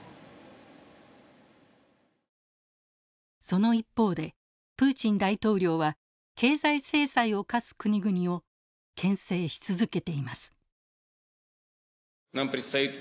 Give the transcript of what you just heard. その一方でプーチン大統領は経済制裁を科す国々をけん制し続けています。